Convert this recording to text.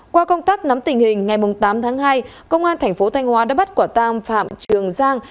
qua công tác nắm tình hình ngày tám tháng hai công an thành phố thanh hóa đã bắt quả tang phạm trường giang